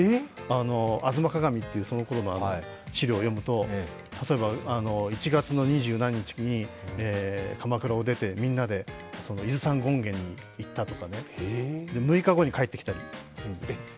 「吾妻鏡」というそのころの資料を読むと例えば１月の二十何日に鎌倉を出てみんなで伊豆山権現に行ったとか、６日後に帰ってきたりするんですよ